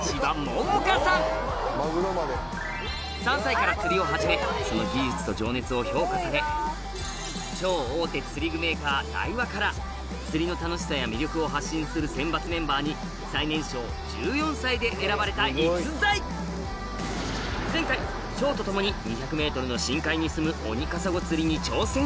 彼女はを始めその技術と情熱を評価され超大手釣り具メーカーダイワから釣りの楽しさや魅力を発信する選抜メンバーに最年少１４歳で選ばれた逸材前回しょうと共に２００ｍの深海にすむおっ？